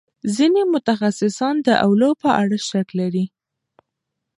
ځینې متخصصان د اولو په اړه شک لري.